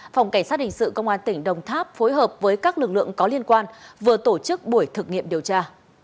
phòng cảnh sát hình sự công an tỉnh đồng tháp phối hợp với các lực lượng có liên quan vừa tổ chức buổi thực nghiệm điều tra